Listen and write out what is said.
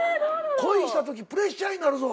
恋したときプレッシャーになるぞ。